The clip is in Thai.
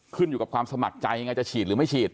ขึ้นอยู่กับความสมัครใจยังไงจะฉีดหรือไม่ฉีด